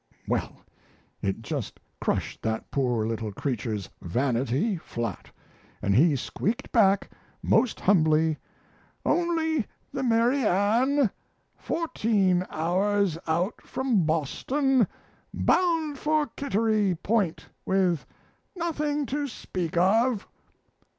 Well, it just crushed that poor little creature's vanity flat, and he squeaked back most humbly, "Only the Mary Ann, fourteen hours out from Boston, bound for Kittery Point with nothing to speak of!"